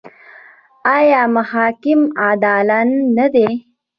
آیا محاکم عادلانه دي؟